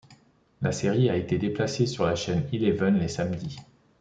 La série a été déplacée sur la chaîne Eleven les samedis.